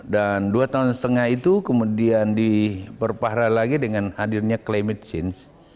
dan dua tahun setengah itu kemudian diperpahra lagi dengan hadirnya climate change